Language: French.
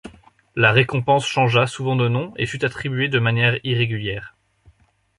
La récompense changea souvent de nom et fut attribuée de manière irrégulière.